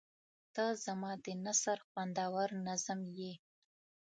• ته زما د نثر خوندور نظم یې.